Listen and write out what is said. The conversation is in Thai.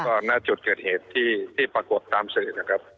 ตอนหน้าจุดเกิดเหตุที่ประกบตามเสร็จนะครับ